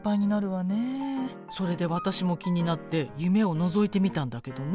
それで私も気になって夢をのぞいてみたんだけどね。